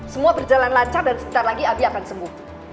semua berjalan lancar dan sebentar lagi abi akan sembuh